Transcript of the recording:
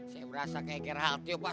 saya berasa kayak gerhaltjo pak